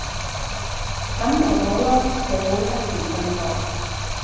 噉咪好囉，社會不斷進步